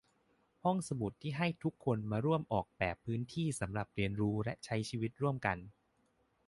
ห้องสมุดที่ให้ทุกคนมาร่วมออกแบบพื้นที่สำหรับเรียนรู้และใช้ชีวิตร่วมกัน